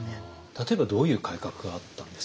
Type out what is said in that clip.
例えばどういう改革があったんですか？